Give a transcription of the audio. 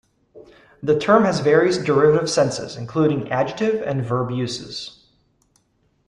The term has various derivative senses, including adjective and verb uses.